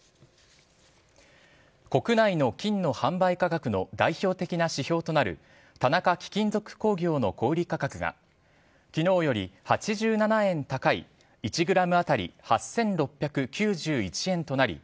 国内の金の販売価格の代表的な指標となる、田中貴金属工業の小売り価格が、きのうより８７円高い、１グラム当たり８６９１円となり、